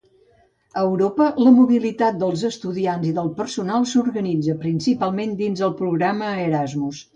A Europa, la mobilitat dels estudiants i del personal s'organitza principalment dins el programa Erasmus.